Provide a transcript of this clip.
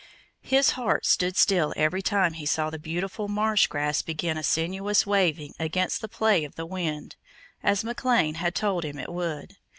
His heart stood still every time he saw the beautiful marsh grass begin a sinuous waving AGAINST the play of the wind, as McLean had told him it would.